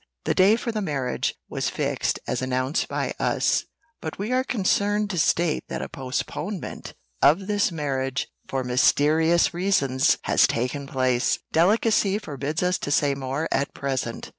The day for the marriage was fixed as announced by us But we are concerned to state that a postponement of this marriage for mysterious reasons has taken place. Delicacy forbids us to say more at present."